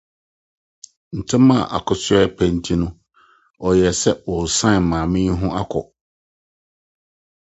Ntɛm a Akosua repɛ nti no, ɔyɛɛ sɛ ɔresan maame yi ho akɔ.